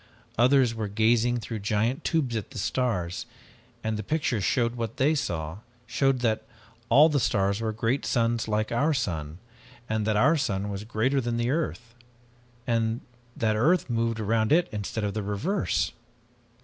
Others were gazing through giant tubes at the stars, and the pictures showed what they saw, showed that all of the stars were great suns like our sun, and that our sun was greater than earth, that earth moved around it instead of the reverse!